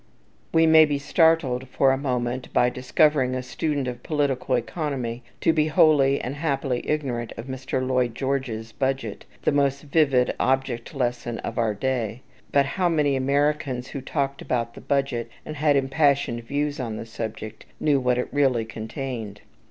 We may be startled for a moment by discovering a student of political economy to be wholly and happily ignorant of Mr. Lloyd George's "Budget," the most vivid object lesson of our day; but how many Americans who talked about the budget, and had impassioned views on the subject, knew what it really contained?